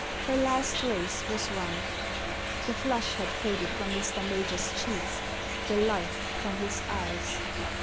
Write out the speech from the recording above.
Her last race was run. The flush had faded from Mr. Major's cheeks, the light from his eyes.